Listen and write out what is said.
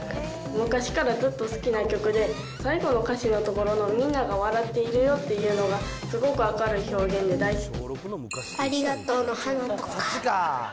昔からずっと好きな曲で、最後の歌詞のところのみんなが笑っているよっていうのが、すごく明るい表現で大好き。